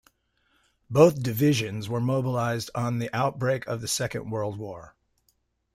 Both Divisions were mobilised on the outbreak of the Second World War.